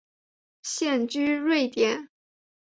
现居瑞典。